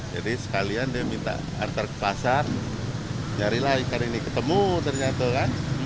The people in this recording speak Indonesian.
jadi sekalian dia minta antar ke pasar nyari lah ikan ini ketemu ternyata kan